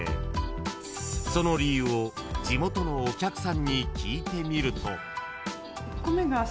［その理由を地元のお客さんに聞いてみると］